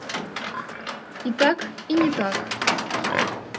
І так і не так.